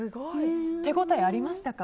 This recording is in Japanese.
手応えありましたか？